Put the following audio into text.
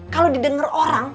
kalo didengar orang